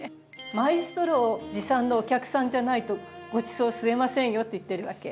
「マイストローを持参のお客さんじゃないとごちそう吸えませんよ」って言ってるわけ。